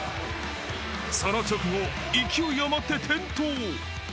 その直後、勢い余って転倒。